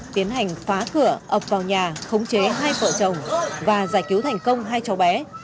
tiến hành phá cửa ập vào nhà khống chế hai vợ chồng và giải cứu thành công hai cháu bé